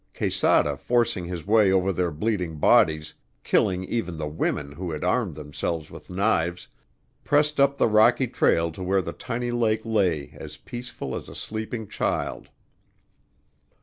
Quesada forcing his way over their bleeding bodies, killing even the women who had armed themselves with knives, pressed up the rocky trail to where the tiny lake lay as peaceful as a sleeping child.